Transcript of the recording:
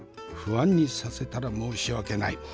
不安にさせたら申し訳ない。